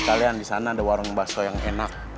sekalian disana ada warung bakso yang enak